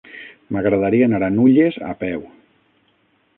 M'agradaria anar a Nulles a peu.